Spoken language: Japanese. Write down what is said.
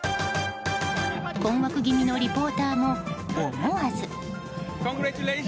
困惑気味のリポーターも思わず。